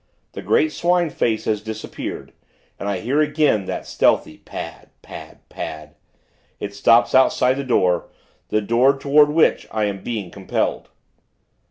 The great swine face has disappeared, and I hear, again, that stealthy pad, pad, pad. It stops outside the door the door toward which I am being compelled....